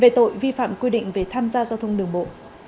về tội vi phạm quy định về tham gia giao thông đường bộ